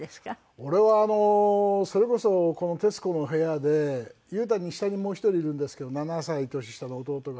俺はそれこそこの『徹子の部屋』で裕太に下にもう一人いるんですけど７歳年下の弟が。